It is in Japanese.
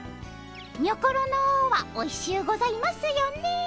にょころのはおいしゅうございますよね。